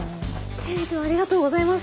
店長ありがとうございます。